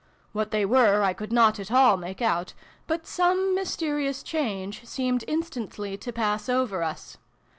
What they were I could not at all make out, but some mysterious change seemed instantly to pass over us.